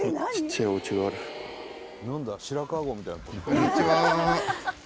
こんにちは。